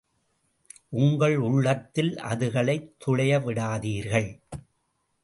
உங்கள் உள்ளத்தில் அதுகளை துழைய விடாதீர்கள்.